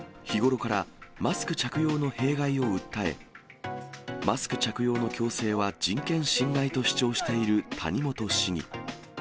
日頃からマスク着用の弊害を訴え、マスク着用の強制は人権侵害と主張している谷本市議。